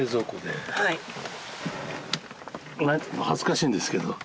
恥ずかしいんですけど。